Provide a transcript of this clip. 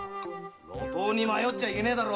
路頭に迷っちゃいけねえだろ？